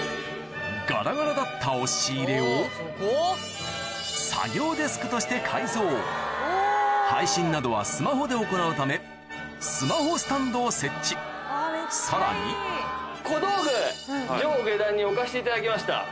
ガラガラだった押し入れを作業デスクとして改造配信などはスマホで行うためスマホスタンドを設置さらに小道具上下段に置かせていただきました。